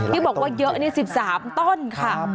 ที่บอกว่าเยอะนี่๑๓ต้นค่ะ